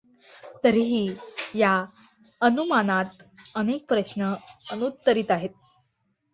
तरीही या अनुमानात अनेक प्रश्न अनुत्तरित आहेत.